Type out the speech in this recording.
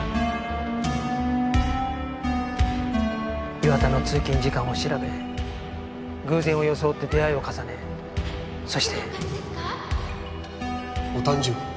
岩田の通勤時間を調べ偶然を装って出会いを重ねそして。お誕生日？